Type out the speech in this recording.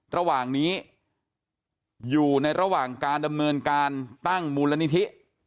ระหว่างนี้อยู่ในระหว่างการดำเนินการตั้งมูลนิธิ